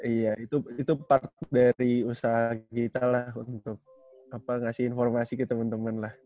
iya itu part dari usaha kita lah untuk ngasih informasi ke teman teman lah